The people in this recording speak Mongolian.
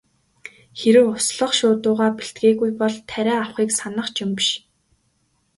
Хэрэв услах шуудуугаа бэлтгээгүй бол тариа авахыг санах ч юм биш.